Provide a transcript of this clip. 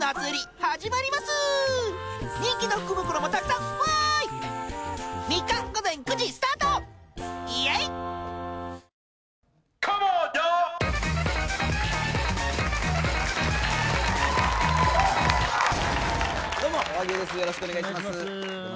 よろしくお願いします。